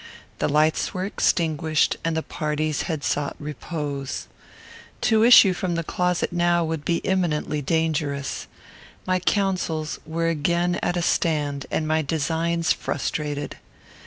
The lights were extinguished, and the parties had sought repose. To issue from the closet now would be imminently dangerous. My councils were again at a stand and my designs frustrated.